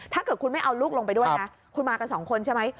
ถ้าเกิดคุณไม่เอาลูกลงไปด้วยนะคุณมากันสองคนใช่ไหม